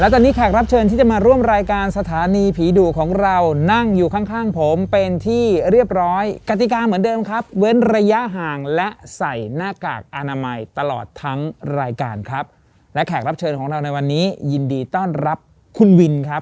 ตอนนี้แขกรับเชิญที่จะมาร่วมรายการสถานีผีดุของเรานั่งอยู่ข้างข้างผมเป็นที่เรียบร้อยกติกาเหมือนเดิมครับเว้นระยะห่างและใส่หน้ากากอนามัยตลอดทั้งรายการครับและแขกรับเชิญของเราในวันนี้ยินดีต้อนรับคุณวินครับ